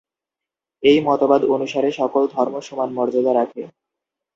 এই মতবাদ অনুসারে সকল ধর্ম সমান মর্যাদা রাখে।